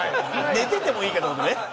寝ててもいいかって事ね。